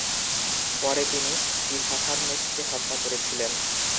পরে তিনি টিসাফারনেসকে হত্যা করেছিলেন।